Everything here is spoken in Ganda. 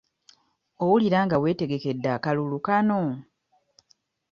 Owulira nga weetegekedde akalulu kano?